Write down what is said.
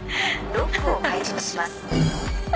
ロックを開錠します。